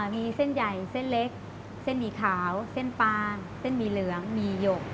มีเส้นใหญ่เส้นเล็กเส้นหมี่ขาวเส้นปางเส้นหมี่เหลืองมีหยก